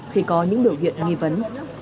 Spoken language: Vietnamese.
khi có những biểu hiện nghi vấn